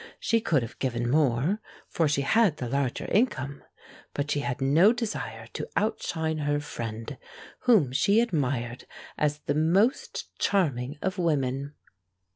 She could have given more, for she had the larger income; but she had no desire to outshine her friend, whom she admired as the most charming of women.